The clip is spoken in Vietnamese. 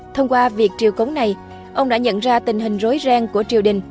thông qua việc triều cống này ông đã nhận ra tình hình rối reng của triều đình